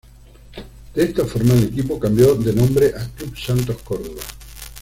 De esta forma, el equipo cambió de nombre a "Club Santos Córdoba".